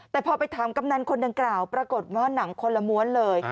แต่พอไปถามกำนันคนดังกล่าวปรากฏว่าหนังคนละม้วนเลย